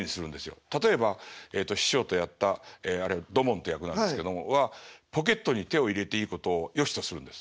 例えば師匠とやったあれ土門って役なんですけどもはポケットに手を入れていいことをよしとするんです。